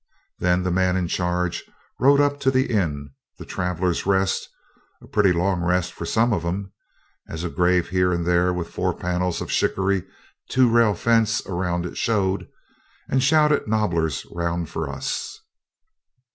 Then the man in charge rode up to the inn, the Traveller's Rest, a pretty long rest for some of 'em (as a grave here and there with four panels of shickery two rail fence round it showed), and shouted nobblers round for us.